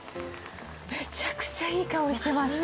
めちゃくちゃいい香りしてます。